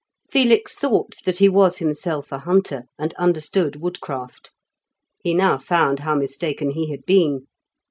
Felix thought that he was himself a hunter, and understood woodcraft; he now found how mistaken he had been.